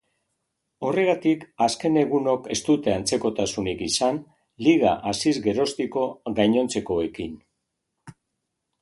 Horregatik azken egunok ez dute antzekotasunik izan liga hasiz geroztiko gainontzekoekin.